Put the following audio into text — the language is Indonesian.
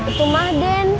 itu mah den